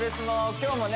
今日もね